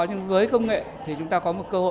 nhưng với công nghệ thì chúng ta có một cơ hội